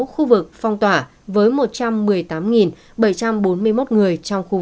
một hai trăm một mươi sáu khu vực phong tỏa với một trăm một mươi tám bảy trăm năm mươi